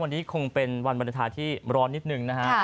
วันนี้คงเป็นวันบรรทาที่ร้อนนิดนึงนะฮะ